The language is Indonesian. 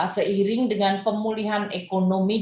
seiring dengan pemulihan ekonomi